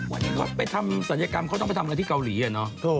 พี่ของเราไปทำศัลยกรรมเขาต้องไปทำการที่เกาหลีเนอะ